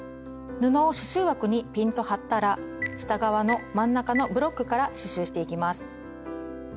布を刺しゅう枠にピンと張ったら下側の真ん中のブロックから刺しゅうしていきます。